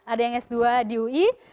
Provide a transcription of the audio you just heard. ada yang s dua di ui